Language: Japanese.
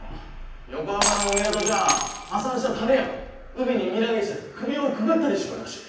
横浜の港じゃ破産した種屋が海に身投げしたり首をくくったりしちょるらしい。